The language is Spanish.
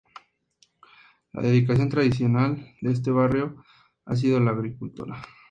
La dedicación tradicional de este barrio ha sido la agricultura.